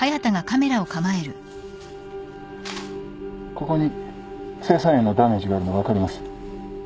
ここに青酸塩のダメージがあるの分かります？